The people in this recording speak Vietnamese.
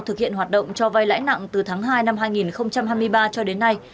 thực hiện hoạt động cho vay lãi nặng từ tháng hai năm hai nghìn hai mươi ba cho đến nay